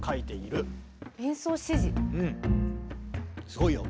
すごいよ。